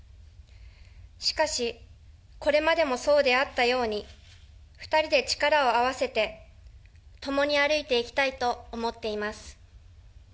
しかし、これまでもそうであったように、２人で力を合わせて、共に歩いていきたいと思っています。